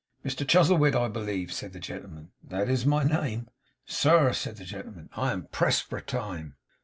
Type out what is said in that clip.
'Mr Chuzzlewit, I believe?' said the gentleman. 'That is my name.' 'Sir,' said the gentleman, 'I am pressed for time.